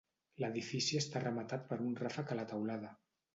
L'edifici està rematat per un ràfec a la teulada.